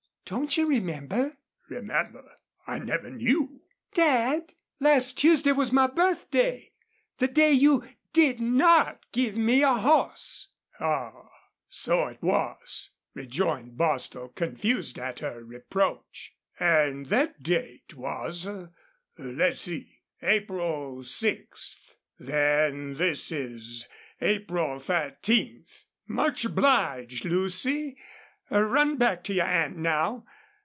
"Don't you remember?" "Remember? I never knew." "Dad! ... Last Tuesday was my birthday the day you DID NOT give me a horse!" "Aw, so it was," rejoined Bostil, confused at her reproach. "An' thet date was let's see April sixth.... Then this is April thirteenth. Much obliged, Lucy. Run back to your aunt now.